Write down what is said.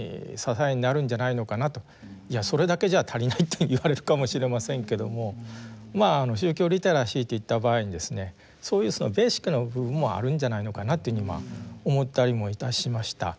いやそれだけじゃ足りないって言われるかもしれませんけども宗教リテラシーって言った場合にですねそういうベーシックな部分もあるんじゃないのかなっていうふうに今思ったりもいたしました。